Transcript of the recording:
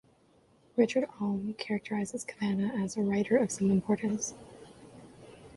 Richard Alm characterizes Cavanna as "a writer of some importance".